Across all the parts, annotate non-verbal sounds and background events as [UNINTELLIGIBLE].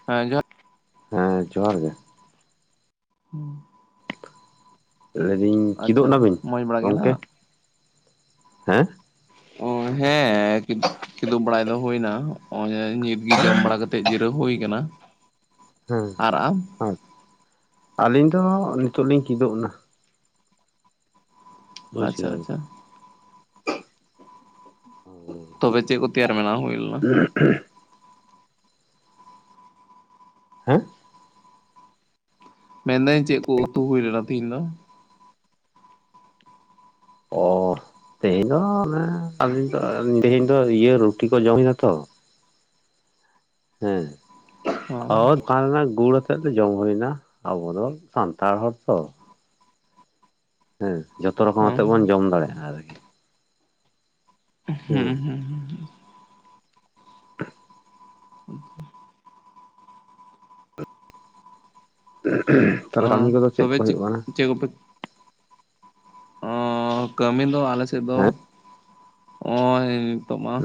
[UNINTELLIGIBLE] ᱦᱮᱸ ᱡᱚᱦᱟᱨ ᱜᱮ, [UNINTELLIGIBLE] ᱞᱟᱹᱭᱫᱟᱹᱧ ᱠᱮᱫᱩᱜ ᱟᱪᱪᱷᱟ ᱱᱟᱵᱤᱱ ᱢᱚᱸᱡᱽ ᱵᱟᱲᱟ ᱜᱮ ᱜᱚᱢᱠᱮ ᱱᱟᱦᱟᱜ ᱦᱮᱸ ᱚ ᱦᱮᱸ ᱠᱤᱫᱩᱵ ᱵᱟᱲᱟᱭ ᱫᱚ ᱦᱩᱭᱱᱟ [INAUDIBLE] ᱱᱤᱛᱜᱮ ᱡᱚᱢ ᱵᱟᱲᱟ ᱠᱟᱛᱮᱜ ᱠᱟᱛᱮᱫ ᱡᱤᱨᱟᱹᱣ ᱦᱩᱭ ᱟᱠᱟᱱᱟ᱾ ᱦᱮᱸ ᱟᱪ ᱟᱹᱞᱤᱧ ᱫᱚ ᱱᱤᱛᱚᱜ ᱞᱤᱧ ᱠᱤᱫᱩᱜ ᱮᱱᱟ᱾ ᱵᱩᱡᱽ ᱟᱪᱪᱷᱟ ᱠᱮᱫᱟ ᱟᱪᱪᱷᱟ [UNINTELLIGIBLE] ᱛᱚᱵᱮ ᱪᱮᱫ ᱠᱚ ᱛᱮᱭᱟᱨ ᱢᱮᱱᱟ ᱦᱩᱭᱞᱮᱱᱟ᱾ [UNINTELLIGIBLE] ᱦᱮᱸ ᱢᱮᱱᱫᱟᱹᱧ ᱪᱮᱫ ᱠᱚ ᱩᱛᱩ ᱦᱩᱭ ᱞᱮᱱᱟ ᱛᱮᱦᱮᱧ ᱫᱚ᱾ ᱚ ᱛᱮᱦᱮᱧ ᱫᱚ ᱚᱱᱮ ᱟᱞᱤᱧ ᱫᱚ ᱛᱮᱦᱮᱧ ᱫᱚ ᱤᱭᱟᱹ ᱨᱩᱴᱤ ᱠᱚ ᱡᱚᱢ ᱦᱩᱭᱱᱟ ᱛᱚ᱾ ᱦᱮᱸ [UNINTELLIGIBLE] ᱦᱚᱸ ᱫᱚᱠᱟᱱ ᱨᱮᱱᱟᱜ ᱜᱩᱲ ᱟᱛᱮ᱾ ᱥᱮᱫ ᱫᱚ ᱡᱚᱢ ᱦᱩᱭᱱᱟ ᱟᱵᱚ ᱫᱚ ᱥᱟᱱᱛᱟᱲ ᱦᱚᱲ ᱛᱚ᱾ ᱦᱮᱸ ᱡᱚᱛᱷᱚ ᱨᱚᱠᱚᱢ ᱦᱚᱸ ᱟᱛᱮᱜ ᱵᱚᱱ ᱡᱚᱢ ᱫᱟᱲᱮᱭᱟᱜᱼᱟ ᱟᱨᱠᱤ᱾ ᱦᱮᱸ ᱦᱩᱸ ᱦᱩᱸ᱾ [UNINTELLIGIBLE] [UNINTELLIGIBLE] ᱛᱟᱦᱚᱞᱮ ᱚ ᱠᱟᱹᱢᱤ ᱠᱚᱫᱚ ᱪᱮᱫ ᱠᱚ ᱛᱚᱵᱮ ᱦᱩᱭᱩᱜ ᱠᱟᱱᱟ? ᱪᱮᱫ ᱠᱚᱯᱮ᱾ ᱠᱟᱹᱢᱤ ᱫᱚ ᱟᱞᱮ ᱥᱮᱫ ᱫᱚ ᱦᱮᱸ ᱱᱚᱜᱼᱚᱭ ᱱᱤᱛᱚᱜ ᱢᱟ᱾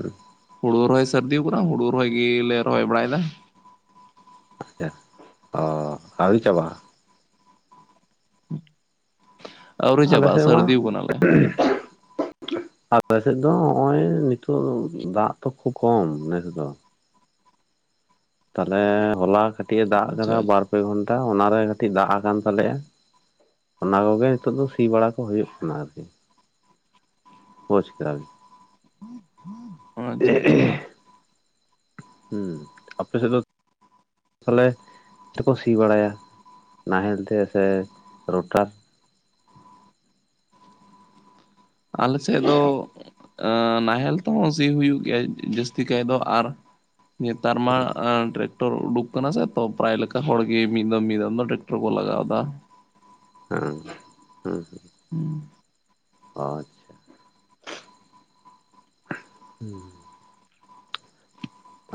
ᱦᱩᱲᱩ ᱨᱚᱦᱚᱭ ᱥᱟᱹᱨᱫᱤ ᱟᱠᱟᱱᱟ ᱦᱩᱲᱩ ᱨᱚᱦᱚᱭ ᱜᱮᱞᱮ ᱨᱚᱦᱚᱭ ᱵᱟᱲᱟᱭᱮᱫᱟ᱾ ᱟᱪᱪᱷᱟ ᱚ ᱟᱹᱣᱨᱤ ᱪᱟᱵᱟᱜᱼᱟ᱾ ᱟᱹᱣᱨᱤ ᱟᱞᱮ ᱪᱟᱵᱟᱜᱼᱟ ᱥᱮᱫ ᱢᱟ᱾ ᱥᱟᱹᱨᱫᱤ ᱠᱟᱱᱟᱞᱮ [UNINTELLIGIBLE] ᱟᱞᱮᱥᱮᱫ ᱫᱚ ᱱᱚᱜ ᱚᱭ ᱱᱤᱛᱳᱜ ᱫᱟᱜ ᱛᱚ ᱠᱷᱩᱵᱽ ᱠᱚᱢ ᱱᱮᱥ ᱫᱚ᱾ ᱛᱟᱦᱚᱞᱮ ᱦᱚᱞᱟ ᱠᱟᱹᱴᱤᱡ ᱮ ᱫᱟᱜ ᱟᱪᱪᱷᱟ ᱟᱠᱟᱫᱟ ᱵᱟᱨ ᱯᱮ ᱜᱷᱚᱱᱴᱟ ᱚᱱᱟᱨᱮ ᱠᱟᱹᱴᱤᱡ ᱫᱟᱜ ᱟᱠᱟᱱ ᱛᱟᱞᱮᱭᱟ᱾ ᱚᱱᱟ ᱠᱚᱜᱮ ᱱᱤᱛᱚᱜ ᱫᱚ ᱥᱤ ᱵᱟᱲᱟ ᱠᱚ ᱦᱩᱭᱩᱜ ᱠᱟᱱᱟ ᱟᱨᱠᱤ᱾ [UNINTELLIGIBLE] ᱟᱪᱪᱷᱟ ᱟᱪᱪᱷᱟ [UNINTELLIGIBLE] ᱦᱩᱸ ᱟᱯᱮ ᱥᱮᱫ ᱫᱚ ᱛᱟᱦᱞᱮ ᱪᱮᱫ ᱠᱚ ᱥᱤ ᱵᱟᱲᱟᱭᱟ ᱱᱟᱦᱮᱞ ᱛᱮ ᱥᱮ ᱨᱚᱴᱟᱨ ᱟᱞᱮ ᱥᱮᱫ ᱫᱚ ᱮᱜ ᱱᱟᱦᱮᱞ ᱛᱮᱦᱚᱸ ᱥᱤ ᱦᱩᱭᱩᱜ ᱜᱮᱭᱟ ᱡᱟᱹᱥᱛᱤ ᱠᱟᱭ ᱫᱚ ᱟᱨ ᱱᱮᱛᱟᱨ ᱢᱟ ᱟᱱ [UNINTELLIGIBLE] ᱴᱮᱠᱴᱚᱨ ᱩᱰᱩᱠ ᱠᱟᱱᱟ ᱥᱮ ᱛᱚ ᱯᱨᱟᱭ ᱞᱮᱠᱟ ᱦᱚᱲ ᱜᱮ ᱢᱤᱫ ᱫᱚᱢ ᱢᱤᱫ ᱫᱚᱢ ᱫᱚ ᱴᱮᱠᱴᱚᱨ ᱠᱚ ᱞᱟᱜᱟᱣ ᱫᱟ᱾ ᱦᱮᱸ ᱦᱮᱸ ᱦᱮᱸ [UNINTELLIGIBLE] [UNINTELLIGIBLE] ᱦᱩᱸ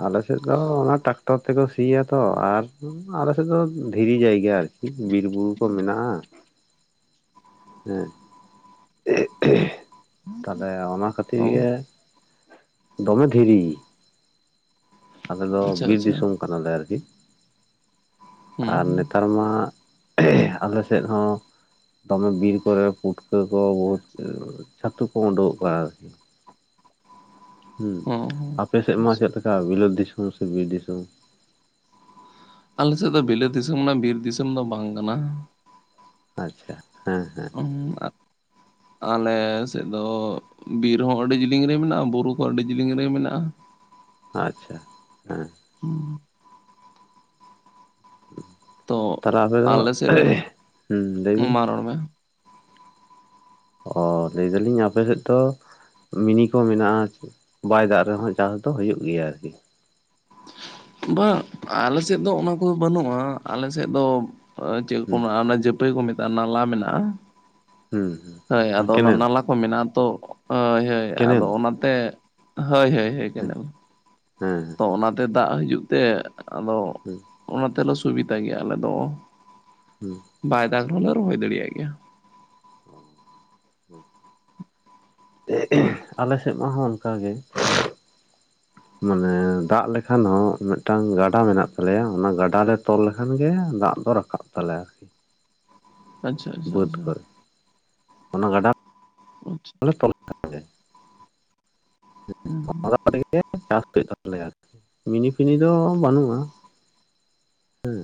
ᱟᱞᱮ ᱥᱮᱫ ᱫᱚ ᱚᱱᱟ ᱴᱟᱠᱴᱚᱨ ᱛᱮᱠᱚ ᱥᱤᱭᱟᱛᱚ ᱟᱨ ᱟᱞᱮ ᱥᱮᱫ ᱫᱚ ᱫᱷᱤᱨᱤ ᱡᱟᱭᱜᱟ ᱟᱨᱠᱤ᱾ [INAUDIBLE] ᱵᱤᱨ ᱵᱩᱨᱩ ᱠᱚ ᱢᱮᱱᱟᱜ-ᱟ ᱦᱮᱸ᱾ [INAUDIBLE] ᱛᱟᱦᱞᱮ ᱚᱱᱟ ᱠᱷᱟᱹᱛᱤᱨ ᱚ ᱜᱮ ᱫᱚᱢᱮ ᱫᱷᱤᱨᱤ ᱟᱞᱮ ᱫᱚ ᱟᱪᱪᱷᱟ ᱵᱤᱨ ᱟᱪᱪᱷᱟ ᱫᱤᱥᱚᱢ ᱠᱟᱱᱟ ᱞᱮ ᱟᱨᱠᱤ ᱦᱩᱸ ᱟᱨ ᱦᱩᱸ ᱱᱮᱛᱟᱨ ᱢᱟ [INAUDIBLE] ᱟᱞᱮ ᱥᱮᱫ ᱦᱚᱸ ᱫᱚᱢᱮ ᱵᱤᱨ ᱠᱚᱨᱮ ᱯᱩᱴᱠᱟᱹ ᱠᱚ [INAUDIBLE] ᱪᱷᱟᱹᱛᱩ ᱠᱚ ᱩᱰᱩᱠᱚᱜ ᱠᱟᱱᱟ ᱟᱨᱠᱤ᱾ ᱦᱩᱸ ᱦᱚᱸ ᱦᱚᱸ ᱟᱯᱮ ᱥᱮᱫ ᱢᱟ ᱪᱮᱫ ᱞᱮᱠᱟ ᱵᱤᱞᱚᱛ ᱫᱤᱥᱚᱢ ᱥᱮ ᱵᱤᱨ ᱫᱤᱥᱚᱢ? ᱟᱞᱮ ᱥᱮᱫ ᱫᱚ ᱵᱤᱞᱟᱹᱛ ᱫᱤᱥᱚᱢ ᱨᱮᱱᱟᱜ ᱵᱤᱨ ᱫᱤᱥᱚᱢ ᱫᱚ ᱵᱟᱝ ᱠᱟᱱᱟ᱾ ᱟᱪᱪᱷᱟ ᱦᱮᱸ ᱦᱮᱸ ᱦᱩᱸ [INAUDIBLE] ᱟᱞᱮ ᱥᱮᱫ ᱫᱚ ᱵᱤᱨ ᱦᱚᱸ ᱟᱹᱰᱤ ᱡᱤᱞᱤᱧ ᱨᱮ ᱢᱮᱱᱟᱜ-ᱟ ᱵᱩᱨᱩ ᱠᱚ ᱟᱹᱰᱤ ᱡᱤᱞᱤᱝ ᱨᱮ ᱢᱮᱱᱟᱜ-ᱟ᱾ ᱟᱪᱪᱷᱟ ᱦᱮᱸ [UNINTELLIGIBLE] ᱛᱚ ᱛᱟᱦᱞᱮ ᱟᱯᱮ ᱫᱚ ᱟᱞᱮ ᱥᱮᱫ ᱨᱮᱱ ᱞᱟᱹᱭ ᱵᱤᱱ ᱢᱟ ᱨᱚᱲ ᱢᱮ ᱚ ᱞᱟᱹᱭ ᱫᱟᱞᱤᱧ ᱟᱯᱮ ᱥᱮᱫ ᱫᱚ ᱢᱤᱱᱤ ᱠᱚ ᱢᱮᱱᱟᱜ-ᱟ ᱵᱟᱭ ᱫᱟᱜ ᱨᱮᱦᱚᱸ ᱪᱟᱥ ᱫᱚ ᱦᱳᱭᱳᱜ ᱜᱮᱭᱟ ᱟᱨᱠᱤ ᱵᱟ ᱟᱞᱮ ᱥᱮᱫ ᱫᱚ ᱚᱱᱟ ᱠᱚᱫᱚ ᱵᱟᱹᱱᱩᱜ-ᱟ ᱟᱞᱮ ᱥᱮᱫ ᱫᱚ ᱪᱮᱫ ᱠᱚ ᱦᱩᱸ ᱢᱮᱱᱟᱜ-ᱟ ᱚᱱᱟ ᱡᱟᱯ ᱱᱟᱹᱭ ᱠᱚ ᱢᱮᱛᱟᱜ-ᱟ ᱱᱟᱞᱟ ᱢᱮᱱᱟᱜ-ᱟ᱾ ᱦᱩᱸ ᱦᱩᱸ ᱦᱳᱭ ᱟᱫᱚ ᱚᱱᱟ ᱠᱮᱱᱮᱞ ᱱᱟᱞᱟ ᱠᱚ ᱢᱮᱱᱟᱜ-ᱟ ᱛᱚ ᱦᱳᱭ ᱦᱳᱭ ᱟᱫᱚ ᱠᱮᱱᱮᱞ ᱚᱱᱟᱛᱮ ᱦᱳᱭ ᱦᱳᱭ ᱠᱮᱱᱮᱞ [INAUDIBLE] ᱦᱮᱸ ᱛᱚ ᱚᱱᱟᱛᱮ ᱫᱟᱜ ᱦᱤᱡᱩᱜ ᱛᱮ ᱟᱫᱚ ᱦᱩᱸ ᱚᱱᱟ ᱛᱮᱞᱮ ᱥᱩᱵᱤᱫᱟ ᱜᱮᱭᱟ ᱟᱞᱮ ᱫᱚ᱾ ᱦᱩᱸ ᱵᱟᱭ ᱫᱟᱜ ᱨᱮᱦᱚᱸ ᱞᱮ ᱨᱚᱦᱚᱭ ᱫᱟᱲᱮᱭᱟᱜ ᱜᱮᱭᱟ᱾ [INAUDIBLE] ᱟᱞᱮ ᱥᱮᱫ ᱦᱚᱸ ᱚᱱᱠᱟᱜᱮ ᱢᱟᱱᱮ ᱫᱟᱜ ᱞᱮᱠᱷᱟᱱ ᱦᱚᱸ ᱢᱤᱫᱴᱟᱝ ᱜᱟᱰᱟ ᱢᱮᱱᱟᱜ ᱛᱟᱞᱮᱭᱟ ᱚᱱᱟ ᱜᱟᱰᱟ ᱞᱮ ᱛᱚᱞ ᱞᱮᱠᱷᱟᱱ ᱜᱮ ᱫᱟᱜ ᱫᱚ ᱨᱟᱠᱟᱵ [UNINTELLIGIBLE] ᱛᱟᱞᱮᱭᱟ᱾ ᱟᱨᱠᱤ ᱟᱪᱪᱷᱟ ᱟᱪᱪᱷᱟ ᱵᱟᱹᱫᱽ ᱟᱪᱪᱷᱟ ᱠᱚᱨᱮ ᱚᱱᱟ ᱜᱟᱰᱟ [INAUDIBLE] [INAUDIBLE] [INAUDIBLE] [UNINTELLIGIBLE] ᱢᱤᱱᱤ ᱯᱷᱤᱱᱤ ᱫᱚ ᱵᱟᱹᱱᱩᱜ-ᱟ᱾ ᱦᱮᱸ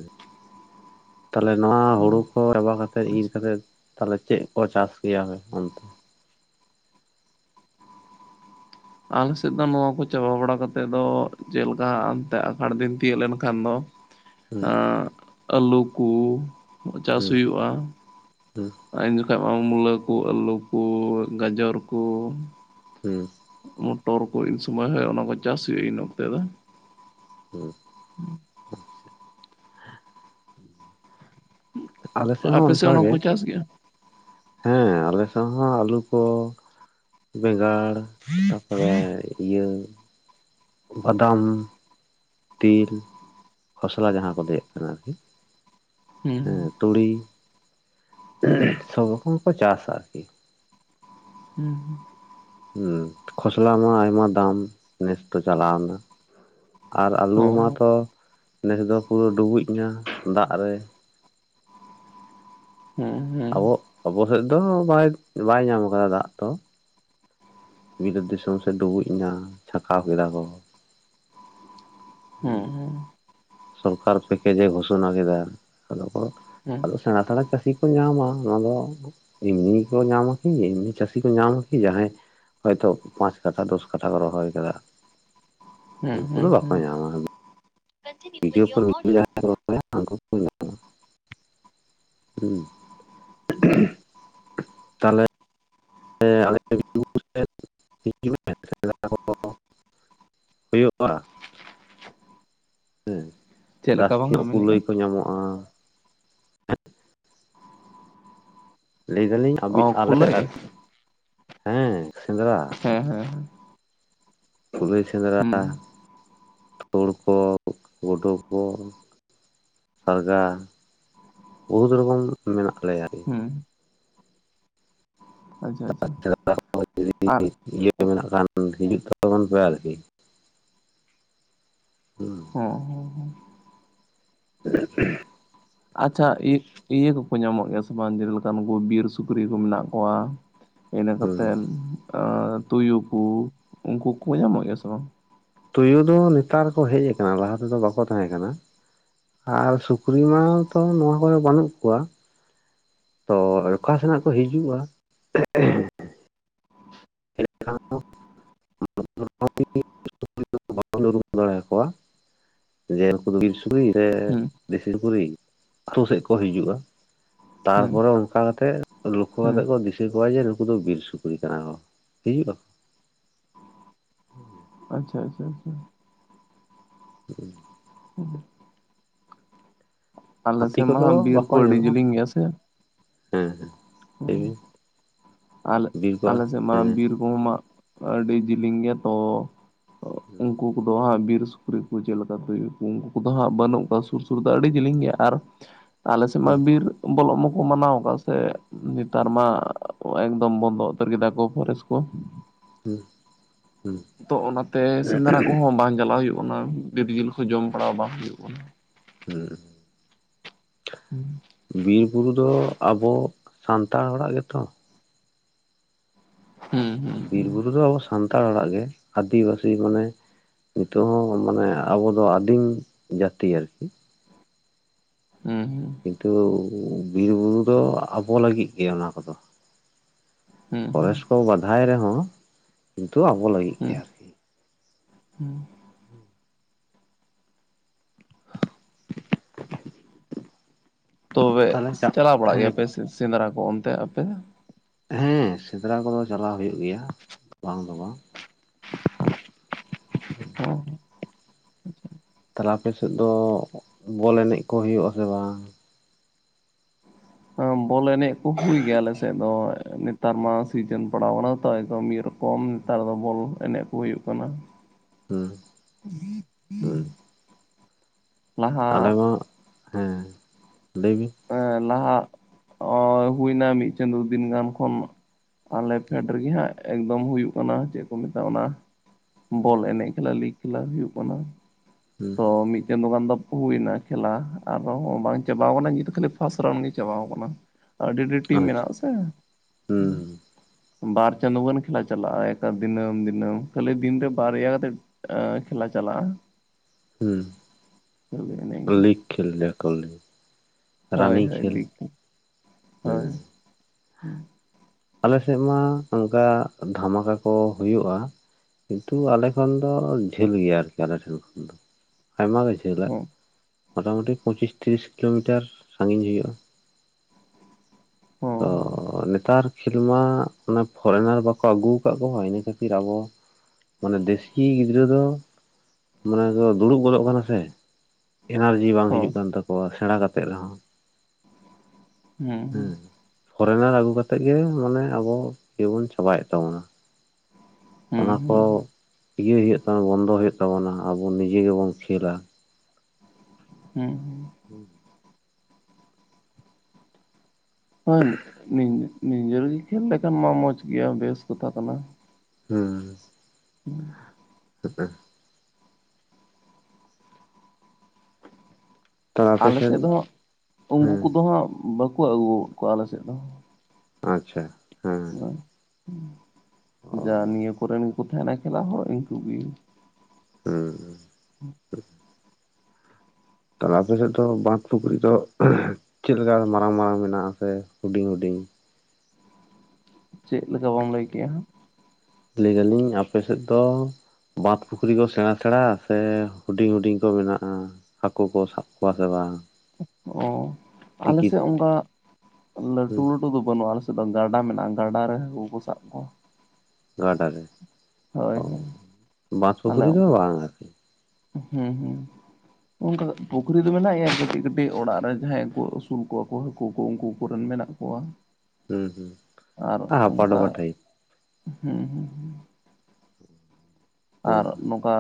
ᱛᱟᱦᱞᱮ ᱱᱚᱣᱟ ᱦᱩᱲᱩ ᱦᱩᱸ ᱠᱚ ᱪᱟᱵᱟ ᱠᱟᱛᱮᱫ ᱤᱨ ᱟᱪᱪᱷᱟ ᱠᱟᱛᱮᱫ ᱛᱟᱞᱦᱮ ᱪᱮᱫ ᱠᱚ ᱪᱟᱥ ᱜᱮᱭᱟ ᱚᱱᱛᱮ ᱟᱞᱮ ᱥᱮᱫ ᱫᱚ ᱱᱚᱣᱟ ᱠᱚ ᱪᱟᱵᱟ ᱵᱟᱲᱟ ᱠᱟᱛᱮᱫ ᱫᱚ ᱪᱮᱫ ᱞᱮᱠᱟ ᱦᱟᱱᱛᱮ ᱟᱥᱟᱲ ᱫᱤᱱ ᱛᱤᱭᱳᱜ ᱞᱮᱱᱠᱷᱟᱱ ᱫᱚ [UNINTELLIGIBLE] ᱮᱜ ᱟᱹᱞᱩ ᱠᱩ ᱪᱟᱥ ᱦᱩᱸ ᱦᱩᱭᱩᱜ-ᱟ᱾ ᱦᱩᱸ ᱩᱱ ᱡᱚᱠᱷᱟ ᱢᱟ ᱢᱩᱞᱟᱹ ᱠᱩ ᱟᱹᱞᱩ ᱠᱩ ᱜᱟᱡᱚᱨ ᱠᱩ ᱦᱩ ᱢᱚᱴᱚᱨ ᱠᱚ ᱤᱱ ᱥᱚᱢᱚᱭ ᱦᱚᱭᱳᱜ ᱚᱱᱟ ᱠᱚ ᱪᱟᱥ ᱦᱩᱭᱩᱜᱼᱟ ᱤᱱ ᱚᱠᱛᱮ ᱫᱚ ᱦᱩ ᱦᱩ ᱟᱞᱮ ᱥᱮᱫ ᱦᱚᱸ ᱟᱯᱮ ᱚᱱᱠᱟᱜ ᱚᱱᱟ ᱜᱮ ᱠᱚ ᱪᱟᱥ ᱜᱮᱭᱟ᱾ ᱦᱮᱸ ᱟᱞᱮ ᱥᱟᱶ ᱦᱚᱸ ᱟᱹᱞᱩ ᱠᱚ ᱵᱮᱸᱜᱟᱲ ᱛᱟᱯᱚᱨᱮ ᱤᱭᱟᱹ ᱵᱟᱫᱟᱢ ᱛᱤᱞ ᱠᱷᱚᱥᱞᱟ ᱡᱟᱦᱟᱸ ᱠᱚ ᱞᱮᱭᱟᱫ ᱠᱟᱱᱟ ᱟᱨᱠᱤ ᱦᱮᱸ ᱦᱩᱸ ᱛᱩᱲᱤ ᱦᱩᱸ ᱥᱚᱵᱽ ᱨᱚᱠᱚᱢ ᱠᱚ ᱪᱟᱥᱟ ᱟᱨᱠᱤ᱾ ᱦᱩᱸ ᱦᱩᱸ ᱦᱩᱸ ᱠᱷᱚᱥᱞᱟ ᱢᱟ ᱟᱭᱢᱟ ᱫᱟᱢ ᱱᱮᱥ ᱫᱚ ᱪᱟᱞᱟᱣ ᱱᱟ᱾ ᱟᱨ ᱟᱹᱞᱩ ᱦᱩᱸ ᱢᱟᱛᱚ ᱱᱮᱥ ᱫᱚ ᱯᱩᱨᱟᱹ ᱰᱩᱵᱩᱡ ᱮᱱᱟ ᱫᱟᱜ ᱨᱮ ᱦᱮᱸ ᱟᱵᱚ ᱟᱵᱚ ᱥᱮᱫ ᱫᱚ ᱵᱟᱭ ᱵᱟᱭ ᱧᱟᱢ ᱠᱟᱫᱟ ᱫᱟᱜ ᱫᱚ᱾ ᱵᱤᱞᱟᱹᱛ ᱫᱤᱥᱚᱢ ᱥᱮᱫ ᱰᱩᱵᱩᱡ ᱮᱱᱟ ᱪᱷᱟᱠᱟᱣ ᱠᱮᱫᱟ ᱠᱚ ᱦᱩᱸ ᱥᱚᱨᱠᱟᱨ ᱯᱮᱠᱮᱡᱮ ᱜᱷᱳᱥᱚᱱᱟ ᱠᱮᱫᱟ ᱟᱫᱚ ᱠᱚ ᱦᱩᱸ ᱟᱫᱚ ᱥᱮᱲᱟ ᱥᱮᱲᱟ ᱪᱟᱹᱥᱤ ᱠᱚ ᱧᱟᱢᱟ ᱚᱱᱟ ᱫᱚ ᱮᱢᱱᱤ ᱠᱚ ᱧᱟᱢᱟ ᱠᱤ ᱮᱢᱱᱤ ᱪᱟᱹᱥᱤ ᱠᱚ ᱧᱟᱢᱠᱤ ᱡᱟᱦᱟᱸᱭ ᱦᱚᱭᱛᱚ ᱯᱟᱸᱪ ᱠᱟᱴᱷᱟ ᱫᱚᱥ ᱠᱟᱴᱷᱟ ᱠᱚ ᱨᱚᱦᱚᱭ ᱟᱠᱟᱫᱟ ᱦᱩᱸ ᱩᱱᱠᱩ ᱫᱚ ᱦᱩᱸ ᱵᱟᱠᱚ ᱦᱩᱸ ᱧᱟᱢᱟ᱾ [UNINTELLIGIBLE] ᱡᱟᱦᱟᱸ ᱠᱚ ᱨᱚᱲᱟ ᱩᱱᱠᱩ ᱠᱚ ᱧᱟᱢᱟ [UNINTELLIGIBLE] ᱦᱩᱸ ᱛᱟᱦᱚᱞᱮ [UNINTELLIGIBLE] ᱦᱚᱭᱳᱜᱼᱟ᱾ ᱦᱮᱸ ᱪᱮᱫ ᱞᱮᱠᱟ ᱵᱟᱝ ᱟᱢ ᱡᱟᱥᱛᱤᱱᱚᱜ ᱠᱩᱞᱟᱹᱭ ᱢᱮᱱᱮᱫᱼᱟ? ᱠᱚ ᱧᱟᱢᱚᱜᱼᱟ᱾ ᱞᱟᱹᱭ ᱮᱫᱟᱞᱤᱧ ᱟᱵᱤ ᱚ ᱟᱞᱮᱥᱮᱫ ᱠᱩᱞᱟᱹᱭ ᱟᱨᱠᱤ ᱦᱮᱸ ᱥᱮᱸᱫᱽᱨᱟ ᱦᱮᱸ ᱦᱮᱸ ᱦᱮᱸ ᱠᱩᱞᱟ. ᱭ ᱥᱮᱸᱫᱽᱨᱟ ᱛᱳᱲ ᱠᱚ ᱜᱚᱰᱳ ᱠᱚ ᱥᱟᱨᱜᱟ ᱵᱚᱦᱩᱛ ᱨᱚᱠᱚᱢ ᱢᱮᱱᱟᱜ ᱞᱮᱭᱟ ᱟᱨᱠᱤ ᱦᱩᱸ ᱟᱪᱪᱷᱟ ᱛᱲᱟ ᱟᱪᱪᱷᱟ [UNINTELLIGIBLE] ᱡᱩᱫᱤ ᱟᱨ ᱤᱭᱟᱹ ᱦᱚᱸ ᱢᱮᱱᱟᱜ ᱠᱷᱟᱱ ᱦᱤᱡᱩᱜ ᱛᱟᱵᱚᱱ ᱯᱮ ᱟᱨᱠᱤᱼᱼ ᱦᱩᱸ ᱦᱚᱸ ᱦᱚᱸ [UNINTELLIGIBLE] ᱟᱪᱪᱷᱟ ᱤᱭᱟᱹ ᱠᱚᱠᱚ ᱧᱟᱢᱚᱜ ᱜᱮᱭᱟ ᱥᱮ ᱵᱟᱝ ᱡᱮᱞᱮᱠᱟᱱ ᱵᱤᱨ ᱥᱩᱠᱨᱤ ᱠᱚ ᱢᱮᱱᱟᱜ ᱠᱚᱣᱟ᱾ ᱤᱱᱟᱹ ᱦᱩᱸ ᱠᱟᱛᱮᱫ ᱛᱩᱭᱩ ᱠᱚ ᱩᱱᱠᱩ ᱠᱚ ᱧᱟᱢᱚᱜ ᱜᱮᱭᱟ ᱥᱮ ᱵᱟᱝ ᱛᱩᱭᱩ ᱫᱚ ᱱᱮᱛᱟᱨ ᱠᱚ ᱦᱮᱡ ᱟᱠᱟᱱᱟ ᱞᱟᱦᱟ ᱛᱮᱫᱚ ᱵᱟᱠᱚ ᱛᱟᱦᱮᱸ ᱠᱟᱱᱟ᱾ ᱟᱨ ᱥᱩᱠᱨᱤ ᱢᱟᱛᱚ ᱱᱚᱣᱟ ᱠᱚᱨᱮ ᱵᱟᱱᱩᱜ ᱠᱚᱣᱟ᱾ ᱛᱚ ᱚᱠᱟ ᱥᱮᱱᱟᱜ ᱠᱚ ᱦᱤᱡᱩᱜᱼᱟ᱾ [UNINTELLIGIBLE] [INAUDIBLE] ᱵᱟᱵᱚᱱ ᱩᱨᱩᱢ ᱫᱟᱲᱮᱭᱟᱠᱚᱣᱟ᱾ ᱡᱮ ᱩᱱᱠᱩ ᱫᱚ ᱵᱤᱨ ᱥᱩᱠᱨᱤ ᱥᱮ ᱦᱩᱸ ᱫᱮᱥᱤ ᱥᱩᱠᱨᱤ ᱟᱛᱩ ᱥᱮᱫ ᱠᱚ ᱦᱤᱡᱩᱜᱼᱟ ᱾ ᱦᱩᱸ ᱛᱟᱨᱯᱚᱨᱮ ᱚᱱᱠᱟ ᱠᱟᱛᱮᱜ ᱞᱚᱠᱠᱷᱚ ᱦᱩᱸ ᱠᱟᱛᱮᱫ ᱠᱚ ᱫᱤᱥᱟᱹ ᱠᱚᱣᱟ ᱡᱮ ᱱᱩᱠᱩ ᱫᱚ ᱵᱤᱨ ᱥᱩᱠᱨᱤ ᱠᱟᱱᱟ ᱠᱚ᱾ ᱦᱤᱭᱩᱜ-ᱟ ᱾ ᱦᱩᱸ ᱟᱪᱷᱟ ᱟᱪᱷᱟ ᱪᱷᱟ ᱦᱩᱸ ᱟᱞᱮ ᱦᱟᱹᱛᱤ ᱥᱮᱫ ᱢᱟ ᱠᱚᱫᱚ ᱦᱟᱸᱜ ᱵᱤᱨ ᱵᱟᱠᱚ ᱠᱚ ᱟᱹᱰᱤ ᱧᱟᱢᱚᱜᱼᱟ ᱡᱮᱞᱮᱧ ᱜᱮᱭᱟ ᱥᱮ ᱦᱮᱸ ᱦᱮᱸ ᱞᱟᱹᱭ ᱵᱤᱱ ᱟᱞᱮ ᱵᱤᱨᱵᱟᱲ ᱟᱞᱮ ᱥᱮᱫ ᱢᱟ ᱦᱮᱸ ᱵᱤᱨ ᱠᱚᱦᱚᱸ ᱢᱟ ᱟᱹᱰᱤ ᱡᱮᱞᱮᱧ ᱜᱮᱭᱟ ᱛᱚ ᱩᱱᱠᱩ ᱩᱱᱠᱩ ᱫᱚ ᱦᱟᱸᱜ ᱵᱤᱨ ᱥᱩᱠᱨᱤ ᱠᱚ ᱪᱮᱫ ᱞᱮᱠᱟ ᱛᱮ [UNINTELLIGIBLE] ᱠᱚ ᱩᱱᱠᱩ ᱠᱚᱫᱚ ᱦᱟᱸᱜ ᱵᱟᱹᱱᱩᱜ ᱠᱚᱣᱟ ᱥᱩᱨ ᱥᱩᱨ ᱫᱚ ᱟᱹᱰᱤ ᱡᱤᱞᱤᱧ ᱜᱮᱭᱟ ᱟᱨ [INAUDIBLE] ᱟᱞᱮ ᱥᱮᱫ ᱢᱟ ᱦᱩᱸ ᱵᱤᱨ ᱵᱚᱞᱚᱜ ᱢᱟᱠᱚ ᱢᱟᱱᱟᱣ ᱟᱠᱟᱫ ᱥᱮ ᱱᱮᱛᱟᱨ ᱢᱟ᱾ ᱮᱠᱫᱚᱢ ᱵᱚᱱᱫᱚ ᱩᱛᱟᱹᱨ ᱠᱮᱫᱟ ᱠᱚ ᱯᱷᱚᱨᱮᱥᱴ ᱠᱚ ᱦᱩᱸ ᱦᱩᱸ ᱛᱚ ᱚᱱᱟᱛᱮ ᱥᱮᱸᱫᱽᱨᱟ ᱠᱚᱦᱚᱸ ᱵᱟᱝ ᱪᱟᱞᱟᱜ ᱦᱩᱭᱩᱜ ᱠᱟᱱᱟ ᱵᱤᱨ ᱡᱤᱞ ᱠᱚ ᱡᱚᱢ ᱵᱟᱲᱟᱣ ᱵᱟᱝ ᱦᱩᱭᱩᱜ ᱠᱟᱱᱟ᱾ ᱦᱮᱸ ᱦᱮᱸ ᱵᱤᱨ ᱵᱩᱨᱩ ᱫᱚ ᱟᱵᱚ ᱥᱟᱱᱛᱟᱲ ᱦᱚᱲᱟᱜ ᱜᱮᱛᱚ ᱦᱩᱸ ᱦᱩᱸ ᱵᱤᱨ ᱵᱩᱨᱩ ᱫᱚ ᱟᱵᱚ ᱥᱟᱱᱛᱟᱲ ᱦᱚᱲᱟᱜ ᱜᱮ ᱟᱹᱫᱤᱵᱟᱹᱥᱤ ᱢᱟᱱᱮ ᱱᱤᱛᱚᱜ ᱦᱚᱸ ᱢᱟᱱᱮ ᱟᱵᱚ ᱫᱚ ᱟᱹᱫᱤᱢ ᱡᱟᱹᱛᱤ ᱟᱨᱠᱤ ᱦᱮᱸ ᱦᱮᱸ ᱠᱤᱱᱛᱩ ᱵᱤᱨ ᱵᱩᱨᱩ ᱫᱚ ᱟᱵᱚ ᱞᱟᱹᱜᱤᱫ ᱜᱮ ᱚᱱᱟ ᱠᱚᱫᱚ᱾ ᱦᱩᱸ ᱦᱩᱸ ᱦᱩᱸ ᱯᱷᱚᱨᱮᱥ ᱠᱚ ᱵᱟᱫᱷᱟᱭ ᱨᱮᱦᱚᱸ ᱠᱤᱱᱛᱩ ᱟᱵᱚ ᱞᱟᱹᱜᱤᱫ ᱜᱮ ᱦᱩᱸ ᱟᱨᱠᱤ᱾ ᱦᱩᱸ ᱦᱮᱸ ᱛᱚᱵᱮ ᱛᱟᱦᱚᱞᱮ ᱪᱟᱜ ᱪᱟᱞᱟᱣ ᱵᱟᱲᱟᱜ ᱦᱮᱸ ᱜᱮᱭᱟ ᱯᱮ ᱜᱚ ᱥᱮ ᱥᱮᱸᱫᱽᱨᱟ ᱠᱚ ᱚᱱᱛᱮ ᱟᱯᱮ ᱦᱮᱸ ᱥᱮᱸᱫᱽᱨᱟ ᱠᱚᱫᱚ ᱪᱟᱞᱟᱣ ᱦᱩᱭᱩᱜ ᱜᱮᱭᱟ ᱵᱟᱝ ᱫᱚ ᱵᱟᱝ ᱦᱮᱸ ᱛᱟᱦᱚᱞᱮ ᱟᱯᱮ ᱥᱮᱫ ᱫᱚ ᱵᱚᱞ ᱮᱱᱮᱡ ᱠᱚ ᱦᱩᱭᱩᱜᱼᱟ ᱥᱮ ᱵᱟᱝ? ᱵᱚᱞ ᱮᱱᱮᱡ ᱠᱚ ᱦᱩᱭ ᱜᱮᱭ ᱟᱞᱮ ᱥᱮᱫ ᱫᱚ ᱱᱮᱛᱟᱨ ᱢᱟ ᱥᱤᱡᱤᱱ ᱡᱚᱯᱲᱟᱣ ᱟᱠᱟᱱᱟ ᱛᱚ ᱮᱠᱫᱚᱢ ᱢᱤᱫ ᱨᱚᱠᱚᱢ ᱱᱮᱛᱟᱨ ᱫᱚ ᱵᱚᱞ ᱮᱱᱮᱡ ᱠᱚ ᱦᱩᱭᱩᱜ ᱠᱟᱱᱟ᱾ ᱦᱩᱸ ᱦᱩᱸ [UNINTELLIGIBLE] ᱞᱟᱦᱟ ᱟᱞᱮ ᱢᱟ ᱦᱮᱸ ᱞᱟᱹᱭ ᱵᱤᱱ ᱮ ᱞᱟᱦᱟ ᱦᱩᱭᱱᱟ ᱢᱤᱫ ᱪᱟᱸᱫᱳ ᱫᱤᱱ ᱜᱟᱱ ᱠᱷᱚᱱ ᱟᱞᱮ ᱯᱷᱮᱰ ᱨᱮᱜᱮ ᱦᱟᱸᱜ ᱮᱠᱫᱚᱢ ᱦᱩᱭᱩᱜ ᱠᱟᱱᱟ ᱪᱮᱫ ᱠᱚ ᱢᱮᱛᱟᱜᱼᱟ ᱚᱱᱟ ᱵᱚᱞ ᱮᱱᱮᱡ ᱠᱷᱮᱞᱟ ᱞᱤᱜᱽ ᱠᱷᱮᱞᱟ ᱦᱩᱭᱩᱜ ᱠᱟᱱᱟ ᱦᱩᱸ ᱛᱚ ᱢᱤᱫ ᱪᱟᱸᱫᱚ ᱜᱟᱱ ᱫᱚ ᱦᱩᱭ ᱮᱱᱟ ᱠᱷᱮᱞᱟ ᱟᱨ ᱫᱚ ᱵᱟᱝ ᱪᱟᱵᱟᱣ ᱟᱠᱟᱱᱟ ᱱᱤᱛ ᱫᱚ ᱠᱷᱟᱹᱞᱤ ᱯᱷᱟᱥᱴ ᱨᱟᱣᱩᱱᱰ ᱜᱮ ᱪᱟᱵᱟᱣ ᱠᱟᱱᱟ ᱟᱹᱰᱤ ᱟᱹᱰᱤ ᱴᱤᱢ ᱟᱪᱪᱷᱟ ᱢᱮᱱᱟᱜᱼᱟ ᱥᱮ ᱦᱩᱸ ᱵᱟᱨ ᱪᱟᱸᱫᱳ ᱜᱟᱱ ᱠᱷᱮᱞᱟ ᱪᱟᱞᱟᱜᱼᱟ ᱮᱠᱟᱞ ᱫᱤᱱᱟᱹᱢ ᱫᱤᱱᱟᱹᱢ ᱠᱷᱟᱹᱞᱤ ᱫᱤᱱ ᱨᱮ ᱵᱟᱨᱭᱟ ᱠᱟᱛᱮ [UNINTELLIGIBLE] ᱠᱷᱮᱞᱟ ᱪᱟᱞᱟᱜᱼᱟ᱾ ᱦᱩᱸ ᱠᱷᱟᱹᱞᱤ ᱮᱱᱮ ᱤᱱᱠᱟᱹ ᱞᱤᱜᱽ ᱠᱷᱮᱞ ᱜᱮ ᱠᱚ ᱞᱟᱹᱭ ᱦᱳᱭ ᱦᱳᱭ ᱞᱤᱜᱽ ᱜᱮ ᱦᱳᱭ ᱦᱮᱸ ᱦᱩᱸ ᱟᱞᱮ ᱥᱮᱫ ᱢᱟ ᱚᱱᱠᱟ ᱫᱷᱟᱢᱟᱠᱟ ᱠᱚ ᱦᱩᱭᱩᱜᱼᱟ᱾ ᱠᱤᱱᱛᱩ ᱟᱞᱮ ᱠᱷᱚᱱ ᱫᱚ ᱡᱷᱟᱹᱞ ᱜᱮᱭᱟ ᱟᱨᱠᱤ ᱟᱞᱮ ᱴᱷᱮᱱ ᱠᱷᱚᱱ ᱫᱚ ᱟᱭᱢᱟ ᱜᱟᱱ ᱡᱷᱟᱹᱞ ᱪᱟᱞᱟᱜ ᱦᱚᱸ ᱢᱚᱴᱟ ᱢᱩᱴᱤ ᱯᱚᱪᱤᱥ ᱛᱤᱨᱤᱥ ᱠᱤᱞᱳᱢᱤᱴᱟᱨ ᱥᱟᱺᱜᱤᱧ ᱦᱩᱭᱩᱜᱼᱟ᱾ ᱦᱚᱸ ᱛᱚ ᱱᱮᱛᱟᱨ ᱠᱷᱮᱞ ᱢᱟ ᱚᱱᱟ ᱯᱷᱚᱨᱮᱱᱟᱨ ᱵᱟᱠᱚ ᱟᱹᱜᱩ ᱟᱠᱟᱫ ᱠᱚᱣᱟ ᱤᱱᱟᱹ ᱠᱷᱟᱹᱛᱤᱨ ᱟᱵᱚ ᱢᱟᱱᱮ ᱫᱮᱥᱤ ᱜᱤᱫᱽᱨᱟᱹ ᱫᱚ ᱢᱟᱱᱮ ᱫᱩᱲᱩᱵ ᱜᱚᱫᱚᱜ ᱠᱟᱱᱟ ᱥᱮ ᱮᱱᱟᱨᱡᱤ ᱵᱟᱝ ᱦᱚᱸ ᱦᱤᱡᱩᱜ ᱠᱟᱱ ᱛᱟᱠᱚᱣᱟ ᱥᱮᱬᱟ ᱠᱟᱛᱮᱜ ᱨᱮᱦᱚᱸ ᱦᱩᱸ ᱯᱷᱚᱨᱮᱱᱟᱨ ᱟᱹᱜᱩ ᱠᱟᱛᱮᱫ ᱜᱮ ᱢᱟᱱᱮ ᱟᱵᱚ ᱤᱭᱟᱹ ᱵᱚᱱ ᱪᱟᱵᱟᱭᱮᱫ ᱛᱟᱵᱚᱱᱟ᱾ ᱦᱩᱸ ᱚᱱᱟ ᱠᱚ ᱦᱩᱸ ᱤᱭᱟᱹ ᱦᱩᱭᱩᱜ ᱛᱟᱵᱱᱟ ᱵᱚᱱᱫᱚ ᱦᱩᱭᱩᱜ ᱛᱟᱵᱚᱱᱟ ᱟᱵᱚ ᱱᱤᱡᱮ ᱜᱮᱵᱚᱱ ᱠᱷᱮᱞᱟ᱾ ᱦᱩᱸ ᱦᱩᱸ ᱦᱚᱭ ᱱᱤᱡᱮᱨ ᱜᱮ ᱠᱷᱮᱞ ᱞᱮᱠᱷᱟᱱ ᱢᱟ ᱢᱚᱸᱡᱽ ᱜᱮᱭᱟ ᱵᱮᱥ ᱠᱟᱛᱷᱟ ᱠᱟᱱᱟ᱾ ᱦᱩᱸ ᱦᱮᱸ [UNINTELLIGIBLE] ᱛᱟᱦᱚᱞᱮ ᱟᱯᱮ ᱟᱞ ᱥᱮᱫ ᱫᱚ ᱦᱟᱸᱜ ᱩᱱᱠᱩ ᱦᱮᱸ ᱠᱚᱫᱚ ᱦᱟᱸᱜ ᱵᱟᱠᱚ ᱟᱹᱜᱩ ᱠᱚᱣᱟ ᱟᱞᱮ ᱥᱮᱫ ᱫᱚ ᱟᱪᱪᱷᱟ ᱦᱮᱸ ᱚ ᱡᱟ ᱱᱤᱭᱟᱹ ᱠᱚᱨᱮᱱ ᱜᱮ ᱠᱚ ᱛᱟᱦᱮᱸᱱᱟ ᱠᱷᱮᱞᱟ ᱦᱚᱲ ᱤᱱᱠᱩ ᱜᱮ᱾ [UNINTELLIGIBLE] [UNINTELLIGIBLE] ᱟᱯᱮᱥᱮᱫᱫᱚ ᱵᱟᱸᱫ ᱯᱩᱠᱷᱨᱤ ᱫᱚ ᱪᱮᱜ ᱞᱮᱠᱟ ᱢᱟᱨᱟᱝ ᱢᱟᱨᱟᱝ ᱢᱮᱱᱟᱜᱥᱮ ᱦᱩᱰᱤᱝ ᱦᱩᱰᱤᱝ? ᱪᱮᱜ ᱞᱮᱠᱟ ᱵᱟᱢ ᱞᱟᱹᱭ ᱠᱮᱜᱼᱟ᱾ ᱞᱟᱹᱭᱮᱼᱟᱹᱞᱤᱧ ᱟᱯᱮ ᱥᱮᱜ ᱫᱚ ᱵᱟᱸᱫᱽ ᱯᱩᱠᱷᱨᱤ ᱠᱚ ᱥᱮᱬᱟ ᱥᱮᱬᱟ ᱥᱮ ᱦᱩᱰᱤᱧ ᱦᱩᱰᱤᱧ ᱠᱚ ᱢᱮᱱᱟᱜᱼᱟ? ᱦᱟᱹᱠᱩ ᱠᱚ ᱥᱟᱵ ᱠᱚᱣᱟ ᱥᱮ ᱵᱟᱝ? [UNINTELLIGIBLE] ᱴᱤᱠᱤ ᱟᱞᱮᱥᱮᱜ ᱚᱱᱠᱟ ᱞᱟᱹᱴᱩ ᱦᱩᱸ [UNINTELLIGIBLE] [UNINTELLIGIBLE] ᱵᱟᱹᱱᱩᱜᱼᱟ ᱟᱞᱮᱥᱮᱫ ᱫᱚ ᱜᱟᱰᱟ ᱢᱮᱱᱟᱜᱼᱟ ᱜᱟᱰᱟ ᱨᱮ ᱦᱟᱹᱠᱩ ᱠᱚ ᱥᱟᱵ ᱠᱚᱣᱟ᱾ ᱜᱟᱰᱟ ᱨᱮ ᱦᱳᱭ ᱚᱻ ᱦᱳᱭ ᱵᱟᱸᱫᱽ ᱟᱞᱮ ᱯᱩᱠᱷᱨᱤ ᱫᱚ ᱚᱱᱠᱟ ᱵᱟᱝᱼᱟ [UNINTELLIGIBLE] ᱦᱩᱸ ᱦᱩᱸ ᱚᱱᱠᱟ [UNINTELLIGIBLE] ᱯᱩᱠᱷᱨᱤ ᱦᱩᱸ [UNINTELLIGIBLE] ᱢᱮᱱᱟᱜ ᱜᱮᱭᱟ ᱠᱟᱹᱴᱤᱡ ᱠᱟᱹᱴᱤᱡ ᱚᱲᱟᱜ ᱨᱮ ᱡᱟᱦᱟᱸᱭ ᱠᱚ ᱟᱹᱥᱩᱞ ᱠᱚᱣᱟ ᱠᱚ ᱦᱟᱹᱠᱩ ᱠᱚ ᱩᱱᱠᱩ ᱠᱚᱨᱮᱱ ᱢᱮᱱᱟᱜ ᱠᱚᱣᱟ᱾ ᱟᱨ [UNINTELLIGIBLE] ᱦᱟᱯᱟ [UNINTELLIGIBLE] ᱚᱱᱠᱟ ᱦᱩᱸ ᱦᱩᱸ ᱦᱩᱸ ᱦᱮᱸ ᱟᱨ ᱦᱮᱸ ᱱᱚᱝᱠᱟ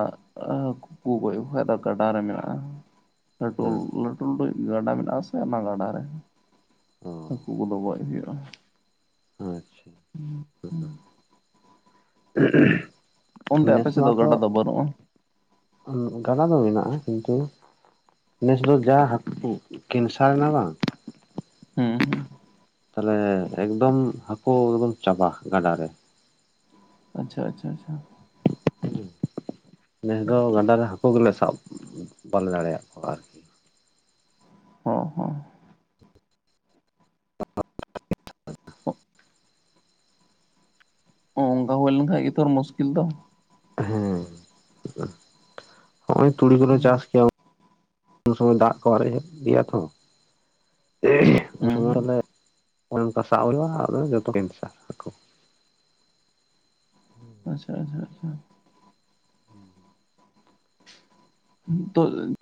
ᱦᱟᱹᱠᱩ ᱠᱚ ᱜᱚᱡ ᱠᱚ ᱠᱷᱟᱡ ᱫᱚ ᱜᱟᱰᱟ ᱨᱮ ᱢᱮᱱᱟᱜᱼᱟ᱾ ᱞᱟᱹᱴᱩ ᱦᱮᱸ ᱞᱟᱹᱴᱩ ᱞᱟᱹᱴᱩᱡ ᱜᱟᱰᱟ ᱢᱮᱱᱟᱜ ᱟᱥᱮ ᱚᱱᱟ ᱜᱟᱰᱟᱨᱮ ᱚ ᱦᱟᱹᱠᱩ ᱠᱚᱫᱚ ᱜᱚᱡ ᱦᱩᱭᱩᱜᱼᱟ᱾ ᱟᱪᱪᱷᱟ ᱚᱱᱛᱮ [UNINTELLIGIBLE] ᱟᱯᱮ ᱱᱮᱥ ᱥᱮᱫ ᱫᱚ ᱢᱟᱛᱚ ᱜᱟᱰᱟ ᱫᱚ ᱵᱟᱹᱱᱩᱜᱼᱟ ᱜᱟᱰᱟ ᱫᱚ ᱢᱮᱱᱟᱜᱼᱟ ᱠᱤᱱᱛᱩ ᱱᱮᱥ ᱫᱚ ᱡᱟ ᱦᱟᱹᱠᱩ ᱠᱮᱱᱥᱟᱨ ᱮᱱᱟ ᱵᱟᱝ ᱦᱩᱸ ᱦᱮᱸᱜ ᱛᱟᱦᱚᱞᱮ ᱮᱠᱫᱚᱢ ᱦᱟᱹᱠᱩ ᱮᱠᱫᱚᱢ ᱪᱟᱵᱟ ᱜᱟᱰᱟᱨ ᱨᱮ ᱟᱪᱪᱷᱟ ᱟᱪᱪᱷᱟ ᱟᱪᱷᱟ ᱱᱮᱥ ᱫᱚ ᱜᱟᱰᱟ ᱨᱮ ᱦᱟᱹᱠᱩ ᱜᱮᱞᱮ ᱥᱟᱵ ᱵᱟᱞᱮ ᱫᱟᱲᱮᱭᱟᱜ ᱠᱚᱣᱟ ᱟᱨᱠᱤ [UNINTELLIGIBLE] [UNINTELLIGIBLE] [INAUDIBLE] [UNINTELLIGIBLE] ᱚᱱᱠᱟ ᱦᱚᱭ ᱞᱮᱱ ᱠᱷᱟᱱ ᱜᱮ ᱛᱚ ᱢᱚᱥᱠᱤᱞ ᱫᱚ᱾ ᱦᱮᱸᱻ ᱱᱚᱜᱻᱦᱚᱸᱭ ᱛᱩᱲᱤ ᱠᱚ ᱞᱮ ᱦᱩᱸ ᱪᱟᱥ ᱠᱮᱭᱟ᱾ [UNINTELLIGIBLE] ᱩᱱ ᱥᱚᱢᱚᱭ ᱫᱟᱜ ᱠᱚ ᱟᱨᱮᱡ ᱜᱮᱭᱟ ᱛᱚ᱾ ᱦᱩᱸ ᱦᱩᱸ [UNINTELLIGIBLE] ᱚᱱᱠᱟ ᱥᱟᱵ ᱦᱩᱭᱩᱜᱼᱟ ᱟᱫᱚ ᱡᱚᱛᱚ ᱠᱮᱱᱥᱟ᱾ ᱟᱪᱪᱷᱟ ᱟᱪᱪᱷᱟ ᱟᱪᱷᱟ [UNINTELLIGIBLE] [UNINTELLIGIBLE] ᱛᱚ